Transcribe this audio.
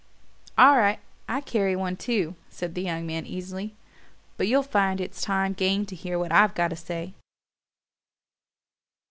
"All right I carry one too," said the young man easily. "But you'll find it's time gained to hear what I've got to say."